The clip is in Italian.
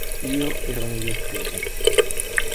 Io ero un lettore.